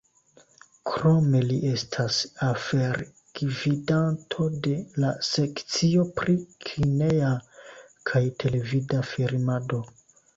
Krome li estas afergvidanto de la sekcio pri kineja kaj televida filmado.